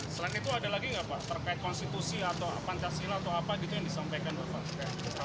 selain itu ada lagi nggak pak terkait konstitusi atau pancasila atau apa gitu yang disampaikan bapak